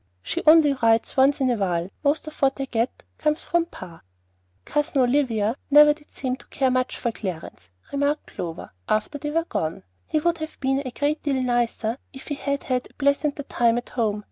"She only writes once in a while. Most of what I get comes from pa." "Cousin Olivia never did seem to care much for Clarence," remarked Clover, after they were gone. "He would have been a great deal nicer if he had had a pleasanter time at home.